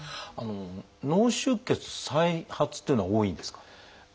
脳出血再発というのは多いんですか？